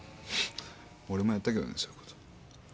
俺もやったけどねそういうこと。